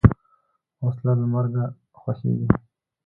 وسله له مرګه خوښیږي